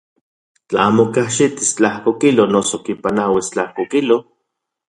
Tla amo kajxitis tlajko kilo noso kipanauis tlajko kilo.